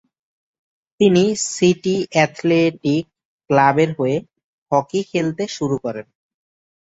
তিনি City Athletic ক্লাবের হয়ে হকি খেলতে শুরু করেন।